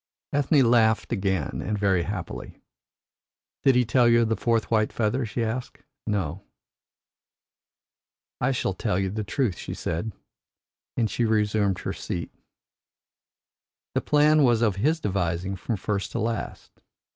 Ethne laughed again, and very happily. "Did he tell you of a fourth white feather?" she asked. "No." "I shall tell you the truth," she said, as she resumed her seat. "The plan was of his devising from first to last.